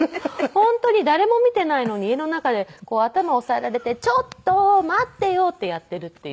本当に誰も見ていないのに家の中で頭を押さえられて「ちょっと待ってよ」ってやっているっていう。